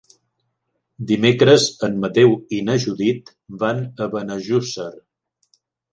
Dimecres en Mateu i na Judit van a Benejússer.